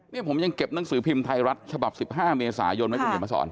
นี่ผมยังเก็บหนังสือพิมพ์ไทยรัฐฉบับ๑๕เมษายนไหมคุณเขียนมาสอน